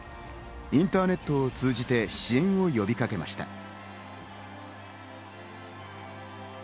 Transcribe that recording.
インターネットを通じて支援を呼びかけました。